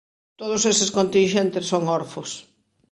Todos eses continxentes son orfos.